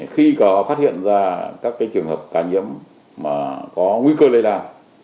khi có phát hiện ra các trường hợp ca nhiễm mà có nguy cơ lây đàn